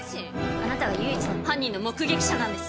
あなたが唯一の犯人の目撃者なんです。